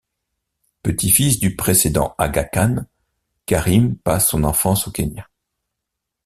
Petit-fils du précédent Aga Khan, Karim passe son enfance au Kenya.